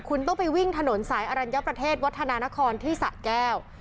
คุณต้องไปวิ่งถนนสายอรัญญประเทศวัฒนานครที่สะแก้ว